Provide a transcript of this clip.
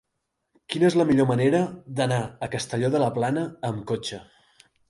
Quina és la millor manera d'anar a Castelló de la Plana amb cotxe?